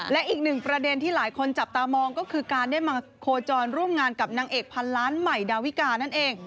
และอีกหนึ่งประเด็นที่หลายคนจับตามองก็คือการได้มาโคจรร่วมงานกับนางเอกพันล้านใหม่ดาวิกานั่นเอง